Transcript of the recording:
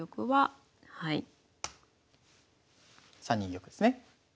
はい。